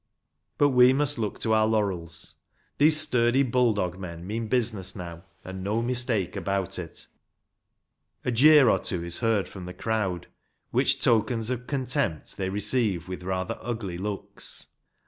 But we must look to our laurels. These sturdy bull dog men mean business now, and no mistake about it. A jeer or two is heard from the crowd, which tokens of contempt they receive with rather ugly looks.